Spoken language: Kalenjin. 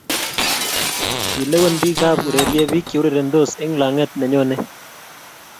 kilewen biikab urerye biik che urerensot eng' lang'et ne nyone.